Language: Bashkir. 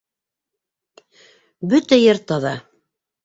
Бөтә ер таҙа.